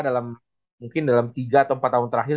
dalam mungkin dalam tiga atau empat tahun terakhir